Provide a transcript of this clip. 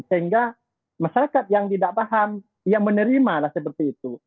sehingga masyarakat yang tidak paham yang menerimalah seperti itu